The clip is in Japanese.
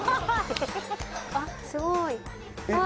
あっすごいああ